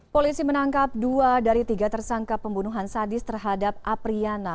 polisi menangkap dua dari tiga tersangka pembunuhan sadis terhadap apriana